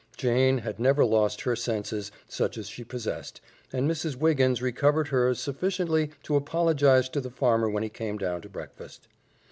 Jane had never lost her senses, such as she possessed, and Mrs. Wiggins recovered hers sufficiently to apologize to the farmer when he came down to breakfast.